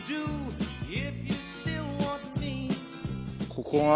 ここが？